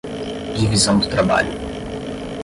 Divisão do trabalho